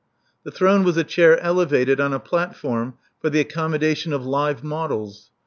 The throne was a chair elevated on a platform for the accommodation of live models.